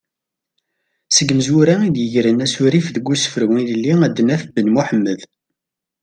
Seg yimezwura i yegren asurif deg usefru ilelli ad naf Ben Muḥemmed.